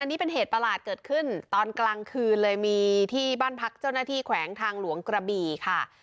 อันนี้เป็นเหตุประหลาดเกิดขึ้นตอนกลางคืนเลยมีที่บ้านพักเจ้าหน้าที่แขวงทางหลวงกระบี่ค่ะ